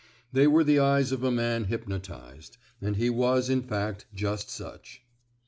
They were the eyes of a man hypnotized; and he was, in fact, just such.